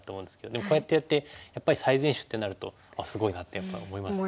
でもこうやってやってやっぱり最善手ってなるとあっすごいなってやっぱ思いますね。